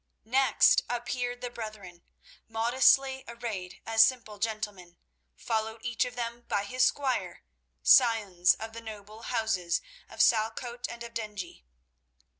Next appeared the brethren, modestly arrayed as simple gentlemen, followed each of them by his squire, scions of the noble houses of Salcote and of Dengie.